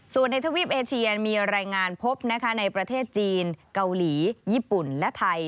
ส่วนในทวีปเอเชียมีรายงานพบในประเทศจีนเกาหลีญี่ปุ่นและไทย